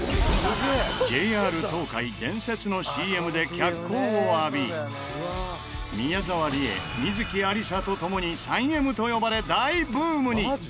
ＪＲ東海伝説のＣＭで脚光を浴び宮沢りえ観月ありさと共に３Ｍと呼ばれ大ブームに！